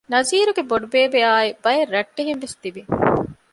ނަޒީރުގެ ބޮޑުބޭބެ އާއި ބައެއް ރައްޓެހިންވެސް ތިވި